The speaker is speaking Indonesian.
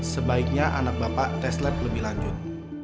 sebaiknya anak bapak tes lab lebih lanjut